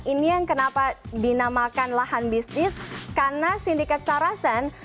ini yang kenapa dinamakan lahan bisnis karena sindikat sarasen